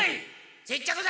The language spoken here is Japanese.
接着剤！